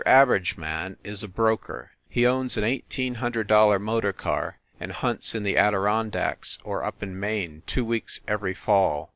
Average Man is a broker. He owns an eighteen hundred dollar motor car and hunts in the Adiron dacks or up in Maine two weeks every fall.